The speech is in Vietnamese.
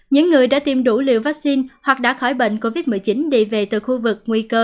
những người đã tiêm đủ liều vaccine hoặc đã khỏi bệnh covid một mươi chín đi về từ khu vực nguy cơ